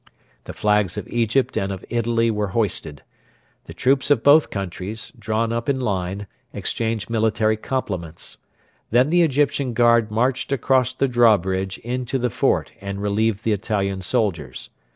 The flags of Egypt and of Italy were hoisted. The troops of both countries, drawn up in line, exchanged military compliments. Then the Egyptian guard marched across the drawbridge into the fort and relieved the Italian soldiers.